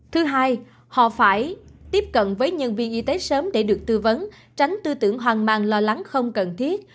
thứ hai họ phải tiếp cận với nhân viên y tế sớm để được tư vấn tránh tư tưởng hoang mang lo lắng không cần thiết